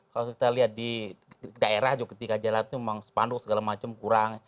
kalau kita lihat di daerah juga ketika jalan itu memang sepanduk segala macam kurang